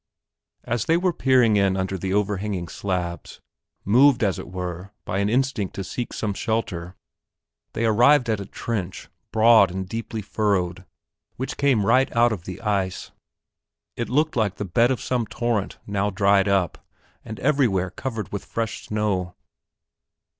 As they were peering in under the overhanging slabs, moved as it were by an instinct to seek some shelter, they arrived at a trench, broad and deeply furrowed, which came right out of the ice. It looked like the bed of some torrent now dried up and everywhere covered with fresh snow.